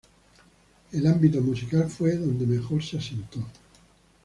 El ámbito musical fue donde mejor se asentó.